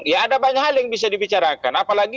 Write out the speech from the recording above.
ya ada banyak hal yang bisa dibicarakan apalagi